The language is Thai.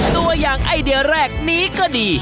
ตัวอย่างไอเดียแรกนี้ก็ดี